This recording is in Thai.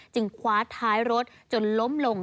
คว้าท้ายรถจนล้มลง